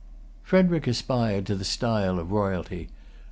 Frederic aspired to the style of royalty.